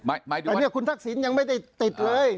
อันนี้คุณทักษิณยังไม่ได้ติดเลย